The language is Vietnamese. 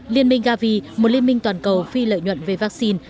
liên minh gavi một liên minh toàn cầu phi lợi nhuận về vaccine